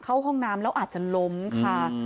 เข้าห้องน้ำแล้วอาจจะล้มค่ะ